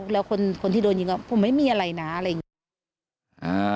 แล้วคนที่โดนยิงผมไม่มีอะไรนะอะไรอย่างนี้